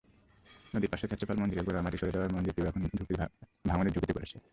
নদীর পাশের ক্ষেত্রপাল মন্দিরের গোড়ার মাটি সরে যাওয়ায় মন্দিরটিও ভাঙনের ঝুঁকিতে পড়েছে।